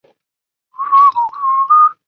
佩内洛普对此毫不上心。